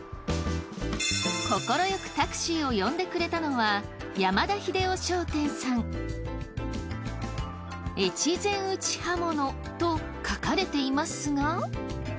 快くタクシーを呼んでくれたのは越前打刃物と書かれていますが。